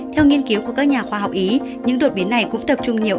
theo nghiên cứu của các nhà khoa học ý những đột biến này cũng tập trung nhiều